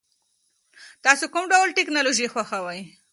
تاسو کوم ډول ټیکنالوژي خوښوئ؟